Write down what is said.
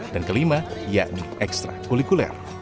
dan kelima yakni ekstra kulikuler